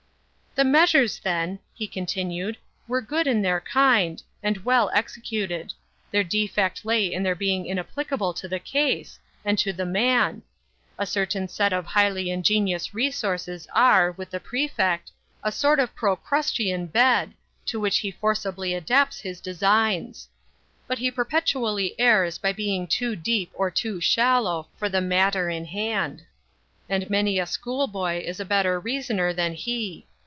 "The measures, then," he continued, "were good in their kind, and well executed; their defect lay in their being inapplicable to the case, and to the man. A certain set of highly ingenious resources are, with the Prefect, a sort of Procrustean bed, to which he forcibly adapts his designs. But he perpetually errs by being too deep or too shallow for the matter in hand; and many a schoolboy is a better reasoner than he.